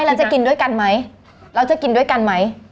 ไม่เราจะกินด้วยกันไหมเราจะกินด้วยกันไหม